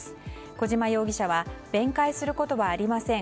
小島容疑者は弁解することはありません